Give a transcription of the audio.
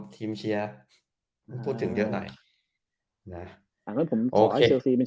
ทีมเชียร์พูดถึงเยอะหน่อยนะอ่างั้นผมขอให้เชลซีเป็น